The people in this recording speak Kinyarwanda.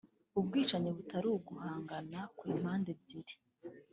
« Ubwicanyi butari uguhangana kw’impande ebyiri »